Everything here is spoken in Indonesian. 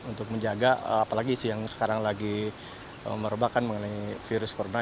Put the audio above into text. untuk menjaga apalagi sih yang sekarang lagi merebakkan mengenai virus corona